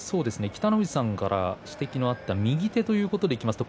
北の富士さんから指摘があった右手ということでいきますと、